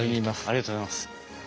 ありがとうございます。